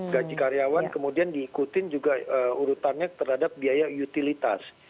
gaji karyawan kemudian diikutin juga urutannya terhadap biaya utilitas